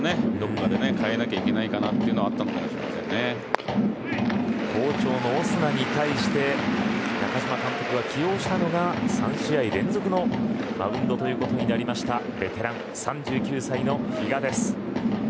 どこかで代えなきゃいけないというのはあったのかも好調のオスナに対して中嶋監督が起用したのが３試合連続のマウンドということになりましたベテラン、３９歳の比嘉です。